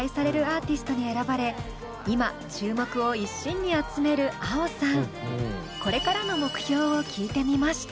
アーティストに選ばれ今注目を一身に集めるａｏさん。